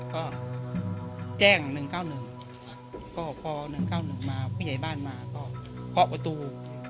ก็แจ้ง๑๙๑ก็พอ๑๙๑มาผู้ใหญ่บ้านมาก็เคาะประตู